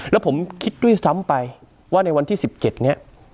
แล้วผมคิดด้วยซ้ำไปว่าในวันที่๑๗เนี่ย